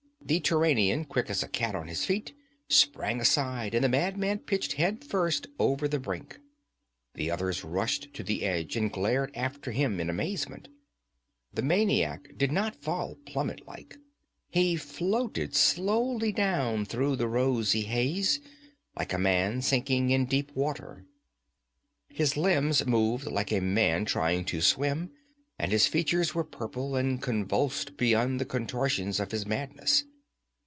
The Turanian, quick as a cat on his feet, sprang aside and the madman pitched head first over the brink. The others rushed to the edge and glared after him in amazement. The maniac did not fall plummet like. He floated slowly down through the rosy haze like a man sinking in deep water. His limbs moved like a man trying to swim, and his features were purple and convulsed beyond the contortions of his madness.